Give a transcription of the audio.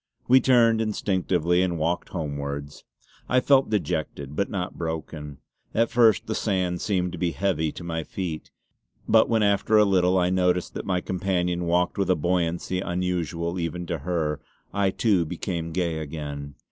We turned instinctively and walked homewards. I felt dejected, but not broken. At first the sand seemed to be heavy to my feet; but when after a little I noticed that my companion walked with a buoyancy unusual even to her, I too became gay again.